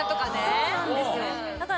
そうなんですよだから。